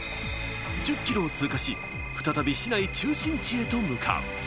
１０キロを通過し、再び市内中心地へと向かう。